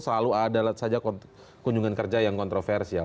selalu ada saja kunjungan kerja yang kontroversial